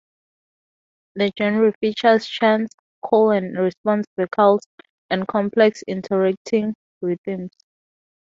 The genre features chants, call-and-response vocals, and complex, interacting rhythms.